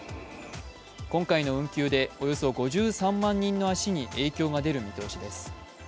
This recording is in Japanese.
今回の運休でおよそ５３万人の足に影響が出る見通しです。